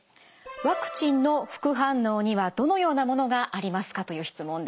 ワクチンの副反応にはどのようなものがありますかという質問です。